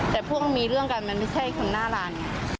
แต่พวกมีเรื่องกันมันไม่ใช่คนหน้าร้านไง